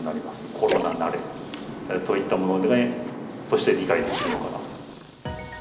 コロナ慣れといったものとして理解できるのかなと。